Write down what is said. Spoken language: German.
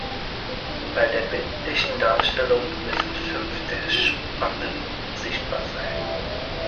Bei der bildlichen Darstellung müssen fünf der Spangen sichtbar sein.